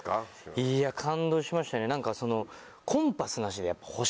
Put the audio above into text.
いや感動しましたね。